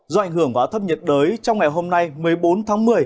do ảnh hưởng của áp thấp nhiệt đới trong ngày hôm nay một mươi bốn tháng một mươi